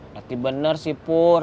berarti bener sih pur